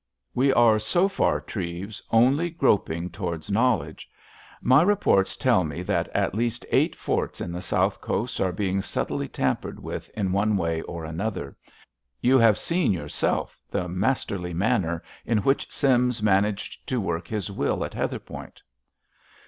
We are so far, Treves, only groping towards knowledge. My reports tell me that at least eight forts on the South Coast are being subtly tampered with in one way or another. You have seen yourself the masterly manner in which Sims managed to work his will at Heatherpoint.